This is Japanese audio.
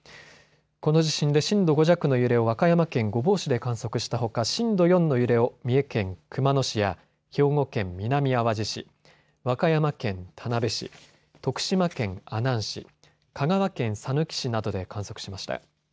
この地震で震度５弱の揺れを和歌山県御坊市で観測したほか震度４の揺れを三重県熊野市や兵庫県南あわじ市、和歌山県田辺市、徳島県阿南市、香川県さぬき市などで観測しました。